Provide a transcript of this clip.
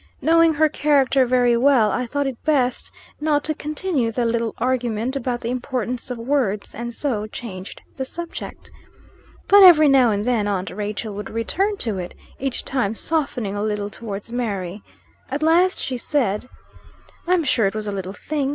Knowing her character very well, I thought it best not to continue the little argument about the importance of words, and so changed the subject. But, every now and then, aunt Rachel would return to it, each time softening a little towards Mary. At last she said: "I'm sure it was a little thing.